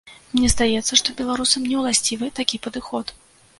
Мне здаецца, што беларусам не ўласцівы такі падыход.